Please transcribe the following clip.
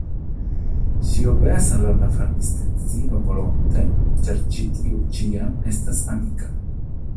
Ŝi obeas al la farmistedzino volonte, ĉar ĉi tiu ĉiam estas amika.